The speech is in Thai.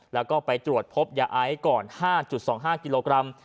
แล้วก็ไปตรวจพบยาไอซ์ก่อน๕๒๕กิโลกรัม